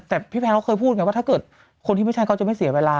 แต่พี่แพทซ์เค้าเคยพูดว่าถ้าคนที่ไม่ใช่เขาจะไม่เสียเวลา